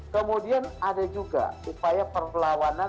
kemudian ada juga upaya perlawanan